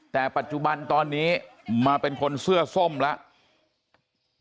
แต่ปัจจุบันตอนนี้มาเป็นคนเสื้อส้มแล้ว